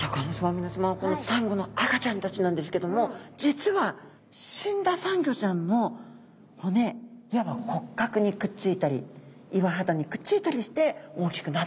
皆さまこのサンゴの赤ちゃんたちなんですけども実は死んだサンゴちゃんの骨いわば骨格にくっついたり岩肌にくっついたりして大きくなってくんですね。